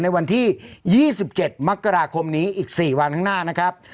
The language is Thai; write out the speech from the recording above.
ในวันที่ยี่สิบเจ็ดมักกราคมนี้อีกสี่วันข้างหน้านะครับ